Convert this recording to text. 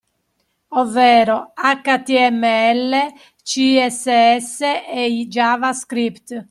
Ovvero: HTML, CSS e JavaScript.